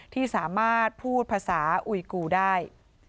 ที่สามารถพูดภาษาอุยกูได้